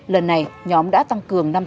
lần này nhóm đã tăng cường năng lượng